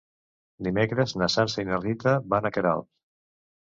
Dimecres na Sança i na Rita van a Queralbs.